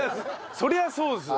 そりゃそうですよね。